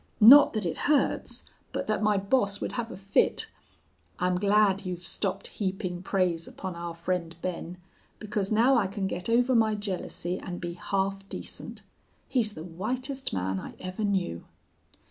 Not that it hurts, but that my boss would have a fit! I'm glad you've stopped heaping praise upon our friend Ben. Because now I can get over my jealousy and be half decent. He's the whitest man I ever knew.